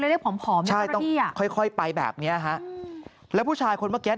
เล็กผอมใช่ต้องค่อยไปแบบนี้แล้วผู้ชายคนเมื่อแก๊ส